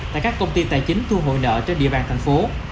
tại các công ty tài chính thu hồi nợ trên địa bàn thành phố